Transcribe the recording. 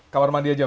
kamar mandi aja pak